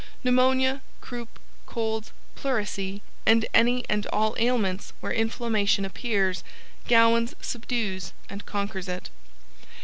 Pneumonia, Croup, Colds, Pleurisy and any and all ailments where Inflammation appears GOWANS subdues and conquers it.